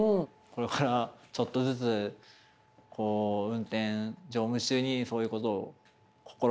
これからちょっとずつ運転乗務中にそういうことを心がけていきたい。